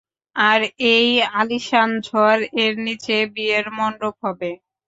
আর এই আলিশান ঝাড় এর নিচে, বিয়ের মন্ডপ হবে।